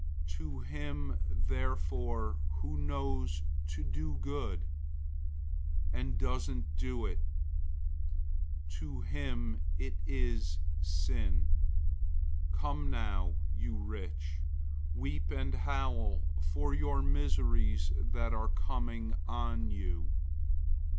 004:017 To him therefore who knows to do good, and doesn't do it, to him it is sin. 005:001 Come now, you rich, weep and howl for your miseries that are coming on you.